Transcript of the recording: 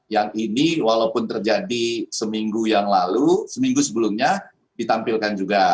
yang ini walaupun terjadi seminggu yang lalu seminggu sebelumnya ditampilkan juga